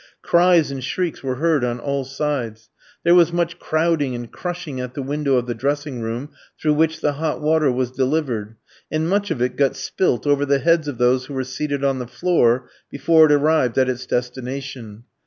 Cries and shrieks were heard on all sides. There was much crowding and crushing at the window of the dressing room through which the hot water was delivered, and much of it got spilt over the heads of those who were seated on the floor before it arrived at its destination.